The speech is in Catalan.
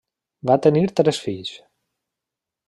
Va tenir tres fills.